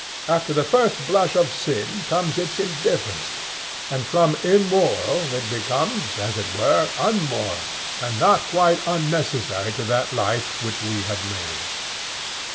After the first blush of sin, comes its indifference; and from immoral it becomes, as it were, _un_moral, and not quite unnecessary to that life which we have made.